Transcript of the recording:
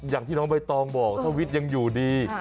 อย่างที่น้องใบตองบอกถ้าวิทย์ยังอยู่ดี